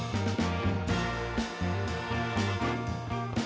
สวัสดีครับ